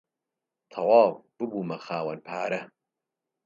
تەواو ببوومە خاوەن پارە.